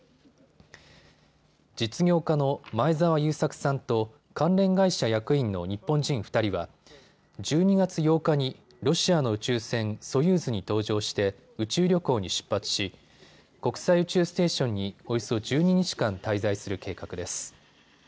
実業家の前澤友作さんと関連会社役員の日本人２人は１２月８日にロシアの宇宙船ソユーズに搭乗して宇宙旅行に出発し国際宇宙ステーションにおよそ１２日間滞在する計画です。